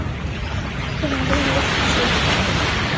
پێمان بڵێ مەبەستت چییە.